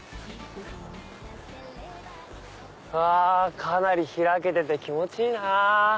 あかなり開けてて気持ちいいなぁ。